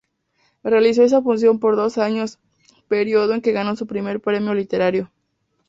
Realizó esa función por dos años, período en que ganó su primer premio literario.